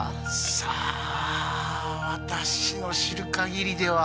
さあ私の知る限りでは。